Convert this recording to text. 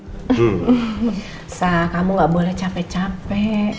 sah kamu gak boleh capek capek